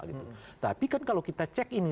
gitu tapi kan kalau kita cek ini